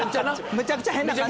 めちゃくちゃ変な感じ。